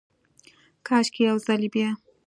کاشکي ، یو ځلې بیا،